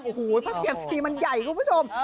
โอ้โหเพราะเซียมซีมันใหญ่คุณผู้ชม